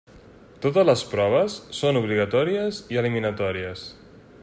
Totes les proves són obligatòries i eliminatòries.